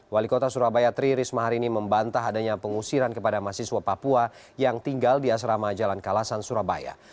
wali kota surabaya tri risma hari ini membantah adanya pengusiran kepada mahasiswa papua yang tinggal di asrama jalan kalasan surabaya